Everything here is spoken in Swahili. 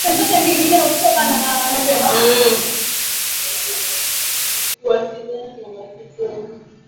kuwasiliana na machifu wadogo wa Wahehe Mkwawa alijaribu kujenga mapatano na majirani lakini Wabena